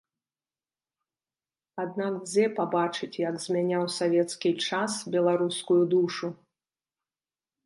Аднак дзе пабачыць, як змяняў савецкі час беларускую душу?